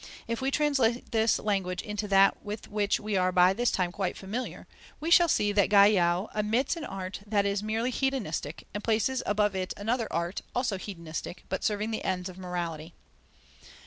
If we translate this language into that with which we are by this time quite familiar, we shall see that Guyau admits an art that is merely hedonistic, and places above it another art, also hedonistic, but serving the ends of morality.